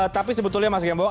tapi sebetulnya mas gembong